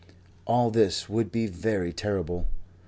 All this would be very terrible.